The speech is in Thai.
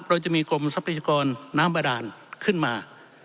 เราจะมีกรมทรัพยากรน้ำบาดานขึ้นมา